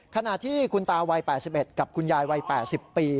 ขณะที่คุณตาวัย๘๑กับคุณยายวัย๘๐ปี